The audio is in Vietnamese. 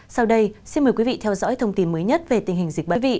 sau đây xin mời quý vị theo dõi thông tin mới nhất về tình hình dịch bệnh